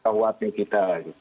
kuhp kita gitu